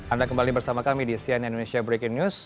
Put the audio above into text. anda kembali bersama kami di cnn indonesia breaking news